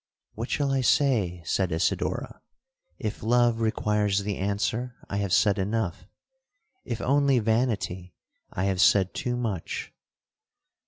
'—'What shall I say?' said Isidora; 'if love requires the answer, I have said enough; if only vanity, I have said too much.'